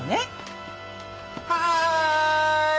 はい！